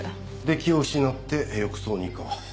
で気を失って浴槽にか。